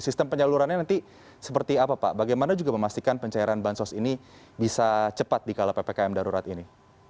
sistem penyalurannya nanti seperti apa pak bagaimana juga memastikan pencairan bansos ini bisa cepat di kala ppkm darurat ini